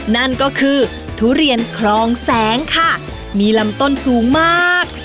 นั่นก็คือทุเรียนคลองแสงค่ะมีลำต้นสูงมาก